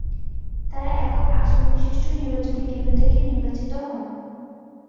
তারা একক-আসনবিশিষ্ট নির্বাচনী কেন্দ্র থেকে নির্বাচিত হন।